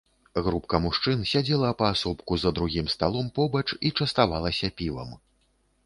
Групка мужчын сядзела паасобку за другім сталом побач і частавалася півам.